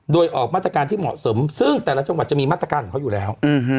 โดยออกมาตรการที่เหมาะสมซึ่งแต่ละจังหวัดจะมีมาตรการของเขาอยู่แล้ว